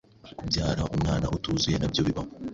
kubyara umwana utuzuye nabyo bibaho